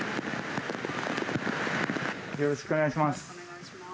よろしくお願いします。